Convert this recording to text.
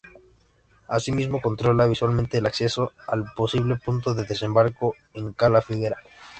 Asimismo, controla visualmente el acceso al posible punto de desembarco en Cala Figuera.